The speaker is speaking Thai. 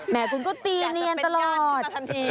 คุณก็ตีเนียนตลอด